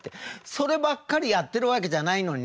そればっかりやってるわけじゃないのにねえ。